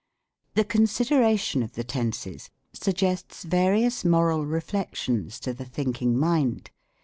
The consideration of the tenses suggests various moral i eflectiors to the thinking mind.